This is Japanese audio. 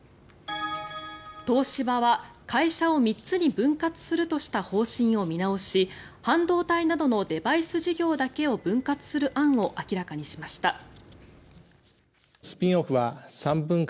東芝は会社を３つに分割するとした方針を見直し半導体などのデバイス事業だけを分割する案を明らかにしました。